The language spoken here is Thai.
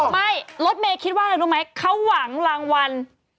ไม่รถเมย์คิดว่าอะไรรู้ไหมเขาหวังรางวัล